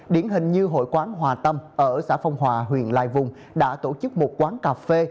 điển hình như hội quán hòa tâm ở xã phong hòa huyện lai vùng đã tổ chức một quán cà phê